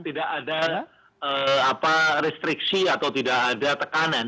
tidak ada restriksi atau tidak ada tekanan